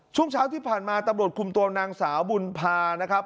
ช่วงเช้าที่ผ่านมาตำรวจคุมตัวนางสาวบุญพานะครับ